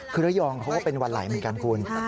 เครื่องเพราะว่าเป็นวันไหลเหมือนกันคุณ